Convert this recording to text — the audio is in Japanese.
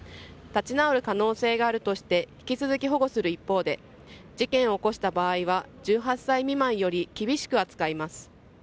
立ち直る可能性があるとして引き続き保護する一方で事件を起こした場合は１８歳未満より厳しく扱います。